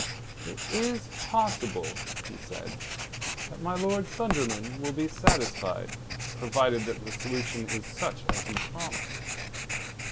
"It is possible," he said, "that my Lord Sunderland will be satisfied, provided that the solution is such as you promise."